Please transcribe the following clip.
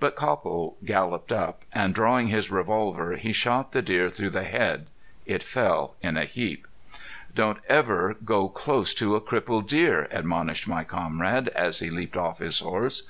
But Copple galloped up, and drawing his revolver, he shot the deer through the head. It fell in a heap. "Don't ever go close to a crippled deer," admonished my comrade, as he leaped off his horse.